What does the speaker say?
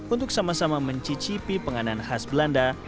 untuk sama sama mencicipi penganan khas belanda